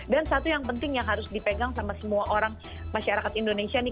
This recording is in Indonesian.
dan satu yang penting yang harus dipegang sama semua orang masyarakat indonesia nih